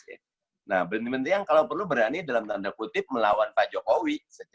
nah berhenti menteri yang kalau perlu berani dalam tanda kutip melawan pak jokowi